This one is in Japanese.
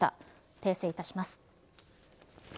訂正いたします。